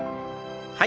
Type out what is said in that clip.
はい。